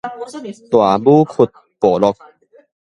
大武窟部落